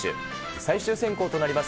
最終選考となります